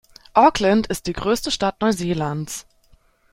Auckland ist die größte Stadt Neuseelands.